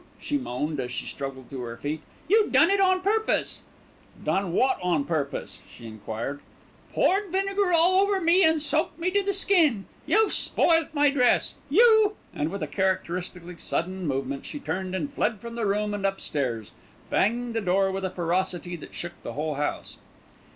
she moaned, as she struggled to her feet. "You done it on purpose." "Done wot on purpose?" he enquired. "Poured vinegar all over me and soaked me to the skin. You've spoilt my dress. You " and with a characteristically sudden movement, she turned and fled from the room and upstairs, banging the door with a ferocity that shook the whole house.